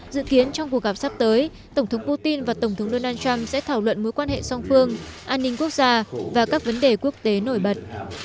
dự kiến trong cuộc gặp sắp tới tổng thống putin và tổng thống donald trump sẽ thảo luận mối quan hệ song phương an ninh quốc gia và các vấn đề quốc tế nổi bật